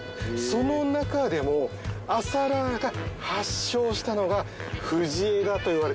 その中でも朝ラーが発祥したのが藤枝といわれてるんですね。